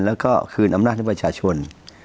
แล้วก็คืนอำนาจให้ประชาชน